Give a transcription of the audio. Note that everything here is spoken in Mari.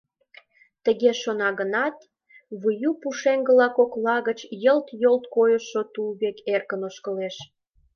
Тыге шона гынат, Выю пушеҥгыла кокла гыч йылт-йолт койшо тул век эркын ошкылеш.